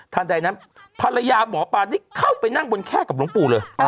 ใดนั้นภรรยาหมอปลาได้เข้าไปนั่งบนแค่กับหลวงปู่เลย